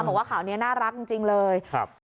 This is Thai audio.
บอกว่าข่าวนี้น่ารักจริงเลยครับ